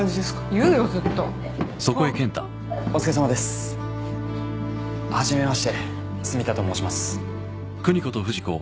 言うよずっとお疲れさまですはじめまして住田と申します